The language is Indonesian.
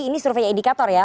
ini survei indikator ya